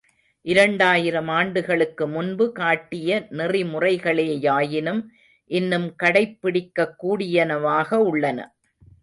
இரண்டாயிரம் ஆண்டுகளுக்கு முன்பு காட்டிய நெறிமுறைகளே யாயினும் இன்னும் கடைப்பிடிக்கக்கூடியனவாக உள்ளன.